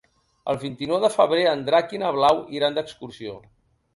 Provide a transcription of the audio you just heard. El vint-i-nou de febrer en Drac i na Blau iran d'excursió.